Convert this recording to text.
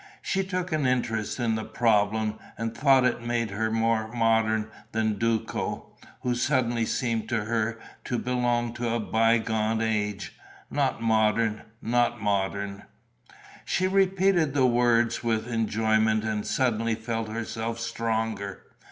She took an interest in the problem and thought that it made her more modern than Duco, who suddenly seemed to her to belong to a bygone age, not modern, not modern. She repeated the words with enjoyment and suddenly felt herself stronger.